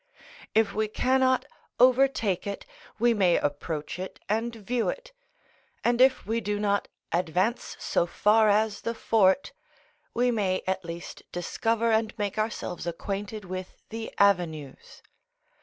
If we cannot overtake it, we may approach it and view it, and if we do not advance so far as the fort, we may at least discover and make ourselves acquainted with the avenues.